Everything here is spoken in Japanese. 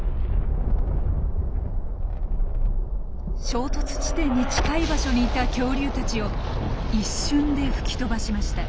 衝突地点に近い場所にいた恐竜たちを一瞬で吹き飛ばしました。